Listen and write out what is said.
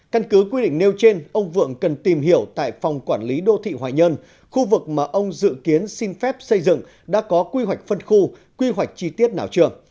căn cứ quy định nêu trên ông vượng cần tìm hiểu tại phòng quản lý đô thị hoài nhân khu vực mà ông dự kiến xin phép xây dựng đã có quy hoạch phân khu quy hoạch chi tiết nào chưa